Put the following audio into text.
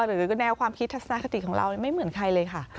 หรือแนวความคิดทัศนคติของเราไม่เหมือนใครเลยค่ะ